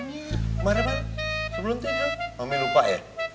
gimana pak sebelum tidur mami lupa ya